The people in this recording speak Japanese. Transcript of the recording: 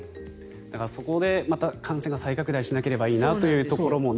そこでまた感染が再拡大しなければいいなというところもね。